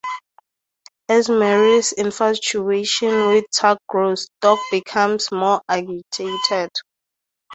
As Marie's infatuation with Turk grows, Doc becomes more agitated.